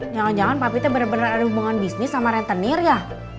jangan jangan papi tuh bener bener ada hubungan bisnis sama rentenir ya